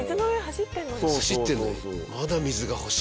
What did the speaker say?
走ってるのに。